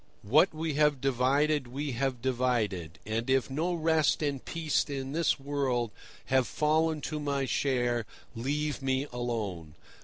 "What we have divided we have divided; and if no rest and peace in this world have fallen to my share, leave me alone.